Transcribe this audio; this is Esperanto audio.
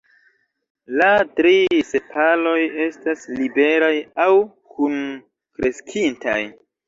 La tri sepaloj estas liberaj aŭ kunkreskintaj.